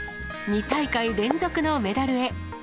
２大会連続のメダルへ。